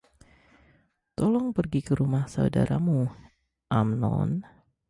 Tolong pergi ke rumah saudaramu Amnon.